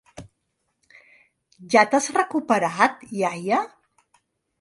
Ja t'has recuperat, iaia?